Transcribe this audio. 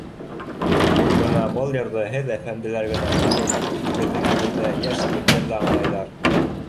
Бына был йырҙы һеҙ әфәнделәр генә түгел, беҙҙең бөтә йәш егеттәр ҙә аңлайҙар.